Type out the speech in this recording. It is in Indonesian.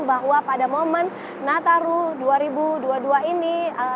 bahwa pada momen nataru dua ribu dua puluh dua ini